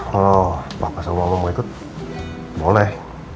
kalau papa sama mama mau ikut boleh